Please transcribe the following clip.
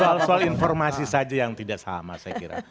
soal soal informasi saja yang tidak sama saya kira